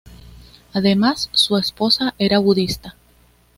Además, su esposa era budista.